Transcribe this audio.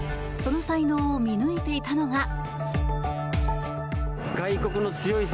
その才能を見抜いていたのが。